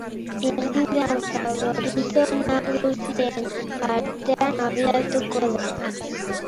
Igandean favorito nagusienen artean abiatuko da.